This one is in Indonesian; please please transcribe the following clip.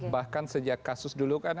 bahkan sejak kasus dulu kan